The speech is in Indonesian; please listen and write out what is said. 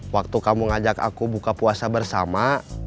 waktu kamu ngajak aku buka puasa bersama